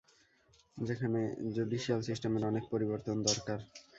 সেখানে জুডিশিয়াল সিস্টেমের অনেক পরিবর্তন দরকার।